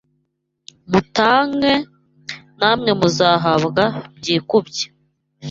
Mutange, namwe muzahabwa byikubye